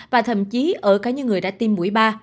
và thậm chí ở cả những người đã tiêm mũi ba